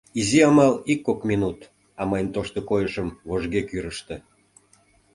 Изи амал ик-кок минут, а мыйын тошто койышым вожге кӱрыштӧ...